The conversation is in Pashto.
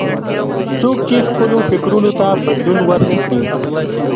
څوک چې خپلو فکرونو ته بدلون ور نه کړي.